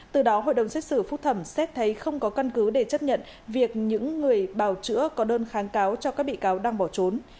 từ đó hội đồng xét xử phúc thẩm xét thấy không có căn cứ để chấp nhận việc những người bào chữa có đơn kháng cáo cho các bị cáo đang bỏ trốn